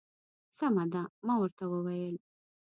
سمه ده. ما ورته وویل.